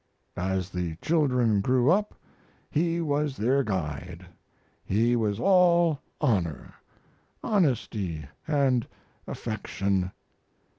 As the children grew up he was their guide. He was all honor, honesty, and affection.